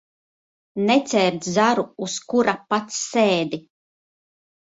Necērt zaru, uz kura pats sēdi.